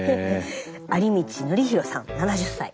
有道典広さん７０歳。